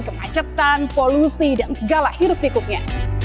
kemacetan polusi dan segala hirup pikuknya